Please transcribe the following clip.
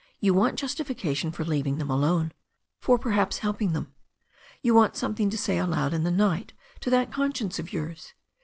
You want justification for leaving them alone, for perhaps helping them. You want something to say aloud in the night to that conscience of yours.